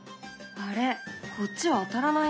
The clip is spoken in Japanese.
こっちは当たらないね。